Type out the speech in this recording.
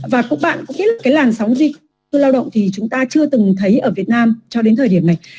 và cũng bạn cái làn sóng dịch lao động thì chúng ta chưa từng thấy ở việt nam cho đến thời điểm này